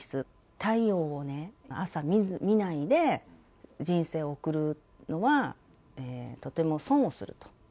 太陽を朝見ないで、人生を送るのはとても損をすると。